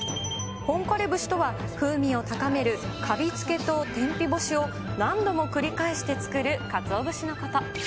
本枯節とは風味を高めるかびつけと天日干しを何度も繰り返して作るかつお節のこと。